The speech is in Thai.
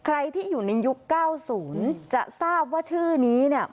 ใครที่อยู่ในยุค๙๐จะทราบว่าชื่อนี้เนี่ย